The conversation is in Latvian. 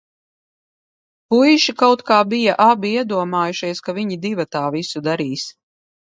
Puiši kaut kā bija abi iedomājušies, ka viņi divatā visu darīs.